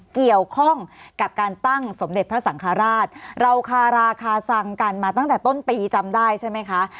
เกี่ยวข้องกับการตั้งสมเด็จพระสังฆราชเราคาราคาซังกันมาตั้งแต่ต้นปีจำได้ใช่ไหมคะ